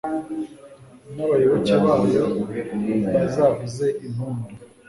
n’abayoboke bayo bazavuze impundu